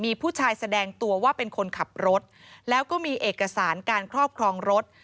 มีผู้ชายแสดงตัวว่าเป็นคนขับรถแล้วก็มีเอกสารการครอบครองรถ